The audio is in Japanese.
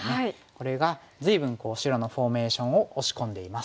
これが随分白のフォーメーションを押し込んでいます。